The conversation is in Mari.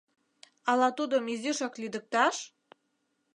Ала тудым изишак лӱдыкташ?